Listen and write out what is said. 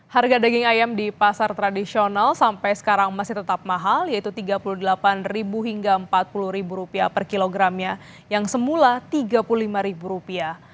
harga daging ayam di pasar tradisional sampai sekarang masih tetap mahal yaitu tiga puluh delapan hingga empat puluh rupiah per kilogramnya yang semula tiga puluh lima rupiah